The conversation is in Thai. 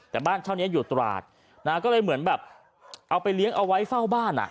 แต่บ้านเช่านี้อยู่ตราดนะฮะก็เลยเหมือนแบบเอาไปเลี้ยงเอาไว้เฝ้าบ้านอ่ะ